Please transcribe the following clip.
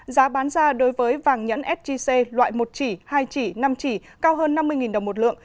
giá bán ra đối với vàng nhẫn sgc loại một chỉ hai chỉ năm chỉ cao hơn năm mươi đồng một lượng